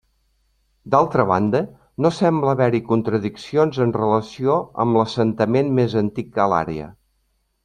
D'altra banda, no sembla haver-hi contradiccions en relació amb l'assentament més antic a l'àrea.